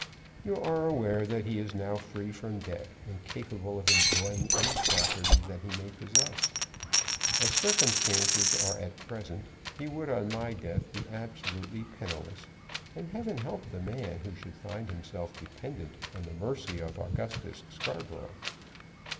You are aware that he is now free from debt, and capable of enjoying any property that he may possess. As circumstances are at present he would on my death be absolutely penniless, and Heaven help the man who should find himself dependent on the mercy of Augustus Scarborough.